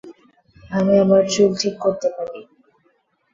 আমি আমার চুল ঠিক করতে পারি।